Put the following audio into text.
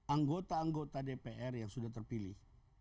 anggota anggota dpr yang sudah terpilih